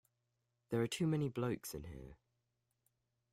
There are too many blokes in here.